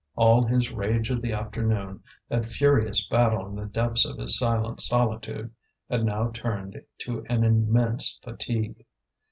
All his rage of the afternoon, that furious battle in the depths of his silent solitude, had now turned to an immense fatigue.